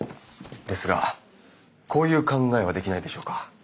ですがこういう考えはできないでしょうか？